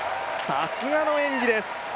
さすがの演技です！